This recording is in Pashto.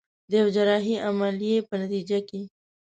د يوې جراحي عمليې په نتيجه کې.